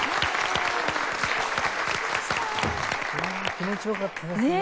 気持ち良かったですねえ。